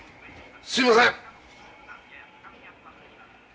すいません！